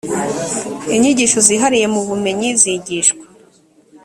inyigisho zihariye mu bumenyi ziigishwa.